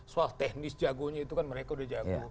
soal teknis jagonya itu kan mereka udah jago